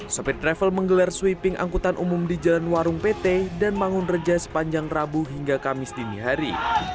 sopir travel menggelar sweeping angkutan umum di jalan warung pt dan mangun reja sepanjang rabu hingga kamis dini hari